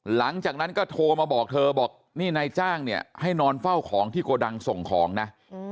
หลังจากนั้นก็โทรมาบอกเธอบอกนี่นายจ้างเนี่ยให้นอนเฝ้าของที่โกดังส่งของนะ